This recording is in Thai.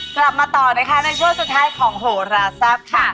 กลับมาต่อนะคะในช่วงสุดท้ายของโหราแซ่บค่ะ